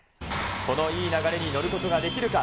この流れ、乗ることができるか。